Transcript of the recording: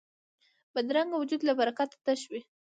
بدرنګه وجود له برکته تش وي